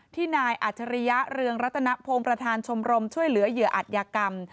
นายอัจฉริยะเรืองรัตนพงศ์ประธานชมรมช่วยเหลือเหยื่ออัตยกรรม